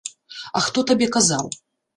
А хто табе казаў?